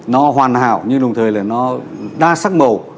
nó hoàn hảo nhưng đồng thời là nó đa sắc màu